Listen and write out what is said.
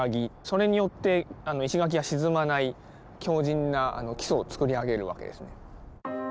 それによって石垣が沈まない強じんな基礎を造り上げるわけですね。